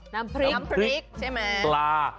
น้ำพริกปลา